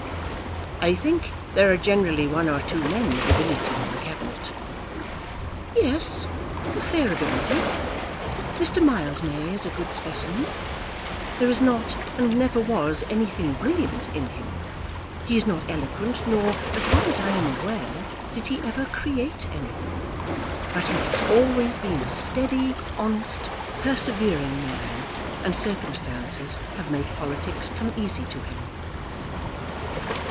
"I think there are generally one or two men of ability in the Cabinet." "Yes, of fair ability. Mr. Mildmay is a good specimen. There is not, and never was, anything brilliant in him. He is not eloquent, nor, as far as I am aware, did he ever create anything. But he has always been a steady, honest, persevering man, and circumstances have made politics come easy to him."